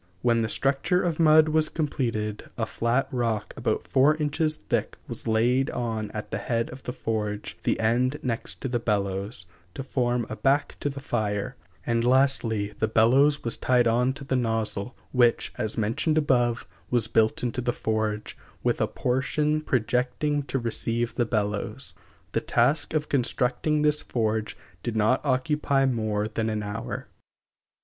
When the structure of mud was completed a flat rock about four inches thick was laid on at the head of the forge the end next to the bellows to form a back to the fire, and lastly the bellows was tied on to the nozzle, which, as mentioned above, was built into the forge, with a portion projecting to receive the bellows. The task of constructing this forge did not occupy more than an hour. [Illustration: PL. XVI. OBJECTS IN SILVER.